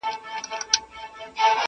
په كوڅو كي يې ژوندۍ جنازې ګرځي٫